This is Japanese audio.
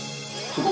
ここ。